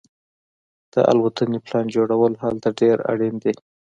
د الوتنې پلان جوړول هلته ډیر اړین دي